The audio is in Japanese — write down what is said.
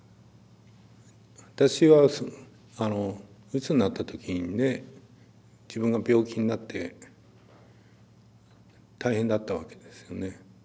私はあのうつになった時にね自分が病気になって大変だったわけですよね。